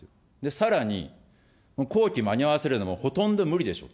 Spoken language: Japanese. さらに、工期間に合わせるのももうほとんど無理でしょう。